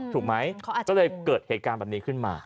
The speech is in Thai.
ถูกไหมก็เลยเกิดเหตุการณ์แบบนี้ขึ้นมา